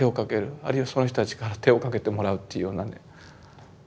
あるいはその人たちから手をかけてもらうっていうようなことが起きてしまったと。